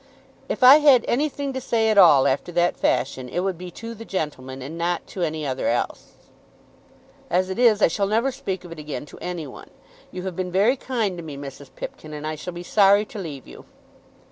"If I had anything to say at all after that fashion it would be to the gentleman, and not to any other else. As it is I shall never speak of it again to any one. You have been very kind to me, Mrs. Pipkin, and I shall be sorry to leave you."